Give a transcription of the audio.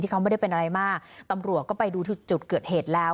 เขาไม่ได้เป็นอะไรมากตำรวจก็ไปดูที่จุดเกิดเหตุแล้ว